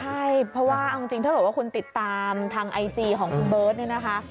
ใช่เพราะว่าเอาจริงถ้าเกิดว่าคุณติดตามทางไอจีของคุณเบิร์ตเนี่ยนะคะ